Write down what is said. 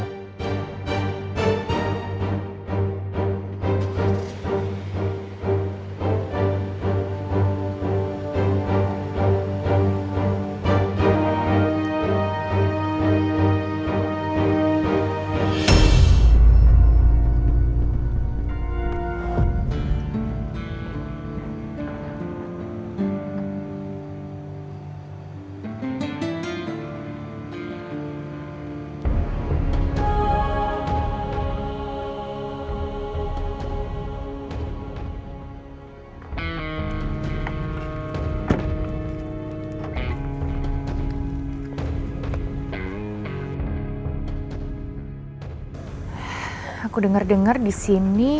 aku denger dengar disini